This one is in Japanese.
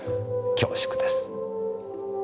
恐縮です。